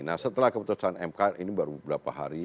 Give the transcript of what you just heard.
nah setelah keputusan mk ini baru beberapa hari